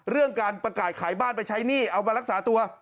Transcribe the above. เรื่องการประกาศขายบ้านไปใช้หนี้เอามารักษาตัว